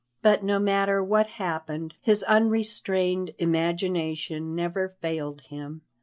But no matter what happened, his unrestrained imagination never failed him.